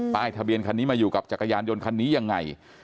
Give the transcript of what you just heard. ทะเบียนคันนี้มาอยู่กับจักรยานยนต์คันนี้ยังไง